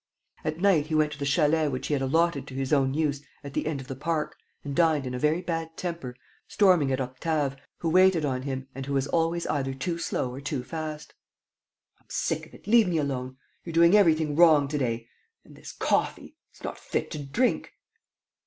At night, he went to the chalet which he had allotted to his own use at the end of the park and dined in a very bad temper, storming at Octave, who waited on him and who was always either too slow or too fast: "I'm sick of it, leave me alone. ... You're doing everything wrong to day. ... And this coffee. ... It's not fit to drink."